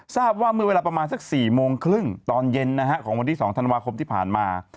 ทราบว่าเมื่อเวลาประมาณสัก๔โมงครึ่งตอนเย็นนะฮะของวันที่๒ธันวาคมที่ผ่านมา